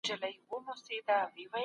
ستاسو د برق چارج ختميدو ته نزدي دی